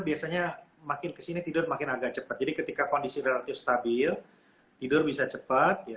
biasanya makin kesini tidur makin agak cepat jadi ketika kondisi relatif stabil tidur bisa cepat ya